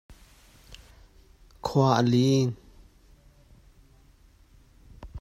Khua a lin.